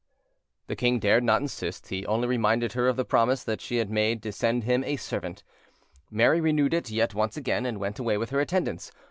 The king dared not insist; he only reminded her of the promise that she had made to send him a servant: Mary renewed it yet once again, and went away with her attendants.